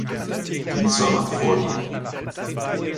Wie soll man vorgehen?